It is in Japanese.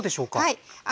はい。